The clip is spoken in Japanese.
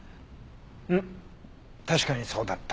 うん確かにそうだった。